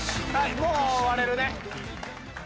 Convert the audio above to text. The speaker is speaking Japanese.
もう終われるね。